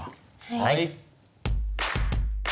はい。